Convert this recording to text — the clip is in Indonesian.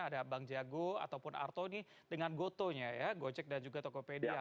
ada bank jago ataupun artoni dengan goto nya ya gocek dan juga tokopedia